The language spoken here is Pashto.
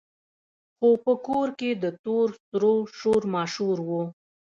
خو په کور کې د تور سرو شور ماشور وو.